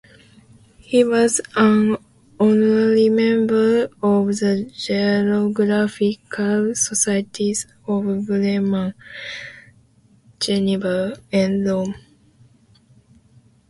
He was an honorary member of the Geographical Societies of Bremen, Geneva, and Rome.